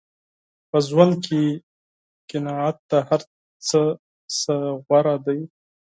په ژوند کې قناعت د هر څه نه غوره دی.